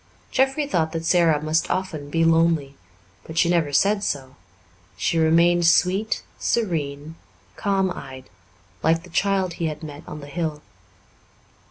Jeffrey thought that Sara must often be lonely, but she never said so; she remained sweet, serene, calm eyed, like the child he had met on the hill.